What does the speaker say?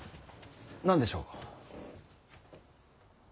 何でしょう。